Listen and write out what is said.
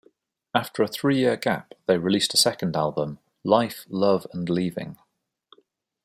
After a three-year gap, they released a second album, "Life, Love and Leaving".